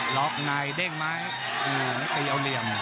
ล็อกในเด้งไหมตีเอาเหลี่ยม